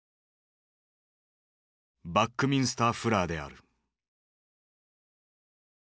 バックミンスター・フラーである。